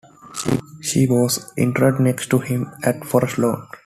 She was interred next to him at Forest Lawn.